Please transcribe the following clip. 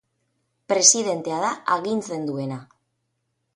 Presidentea da agintzen duena.